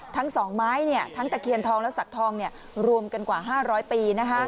ทั้ง๒ไม้ทั้งตะเคียนทองและสักทองรวมกันกว่า๕๐๐ปี